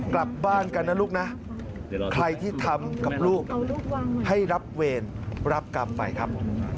กลับบ้านกันนะลูกนะใครที่ทำกับลูกให้รับเวรรับกรรมไปครับ